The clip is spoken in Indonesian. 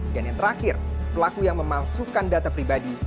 dan yang terakhir pelaku yang memalsukan data pribadi